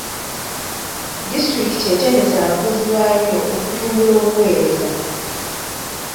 Disitulikiti etendese abakozi baayo okutumbula obuweereza.